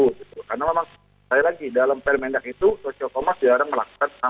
social commerce jarang melakukan transaksi dalam platformnya